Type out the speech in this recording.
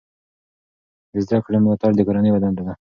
د زده کړې ملاتړ د کورنۍ یوه دنده ده.